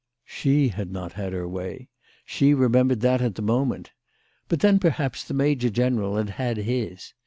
She had not had her way. She remembered that at the moment. But then, perhaps, the major general had had his.